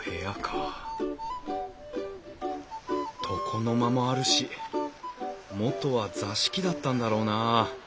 床の間もあるし元は座敷だったんだろうなあ。